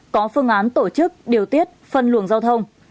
có phương án tổ chức điều tiết phân luồng giao thông